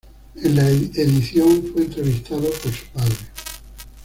En la edición, fue entrevistado por su padre.